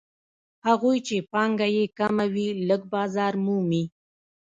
هغوی چې پانګه یې کمه وي لږ بازار مومي